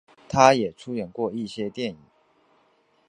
他也出演过一些电影。